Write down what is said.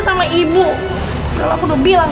sama ibu udah lah aku udah bilang